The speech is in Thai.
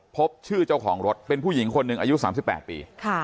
พบชื่อเจ้าของรถเป็นผู้หญิงคนหนึ่งอายุ๓๘ปี